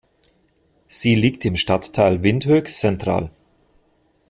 Sie liegt im Stadtteil Windhoek-Central.